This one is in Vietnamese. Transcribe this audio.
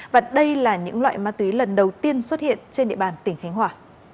và đây là những loại ma túy lần đầu tiên xuất hiện trên địa bàn tỉnh khánh hòa